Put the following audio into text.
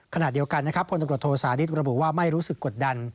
ขณะเดียวกันพลตรโทษาฤิทธิ์ระบุว่าไม่รู้สึกกดดัน